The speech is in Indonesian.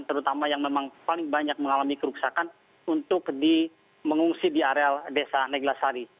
terutama yang memang paling banyak mengalami kerusakan untuk mengungsi di areal desa neglasari